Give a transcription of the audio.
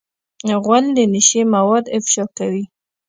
غول د نشې مواد افشا کوي.